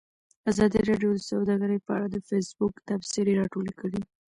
ازادي راډیو د سوداګري په اړه د فیسبوک تبصرې راټولې کړي.